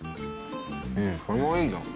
うん、これもいいじゃん。